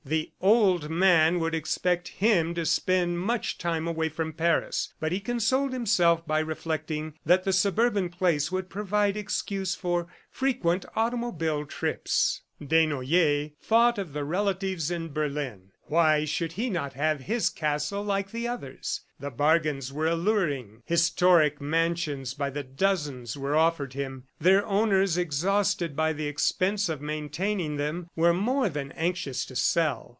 The "old man" would expect him to spend much time away from Paris, but he consoled himself by reflecting that the suburban place would provide excuse for frequent automobile trips. Desnoyers thought of the relatives in Berlin. Why should he not have his castle like the others? ... The bargains were alluring. Historic mansions by the dozen were offered him. Their owners, exhausted by the expense of maintaining them, were more than anxious to sell.